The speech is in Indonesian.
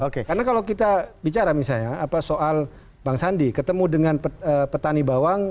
karena kalau kita bicara misalnya soal bang sandi ketemu dengan petani bawang